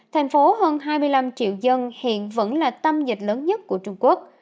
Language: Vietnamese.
thành phố hơn hai mươi năm triệu dân hiện vẫn là tâm dịch lớn nhất của trung quốc